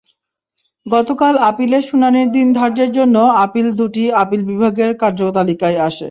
গতকাল আপিলের শুনানির দিন ধার্যের জন্য আপিল দুটি আপিল বিভাগের কার্যতালিকায় আসে।